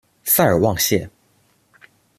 塞尔旺谢。